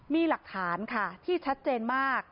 มีหลักฐานค่ะที่ชัดเจนมาก